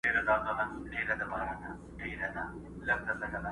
نور بيا د ژوند عادي چارو ته ستنېږي ورو،